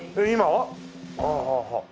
はあはあはあ。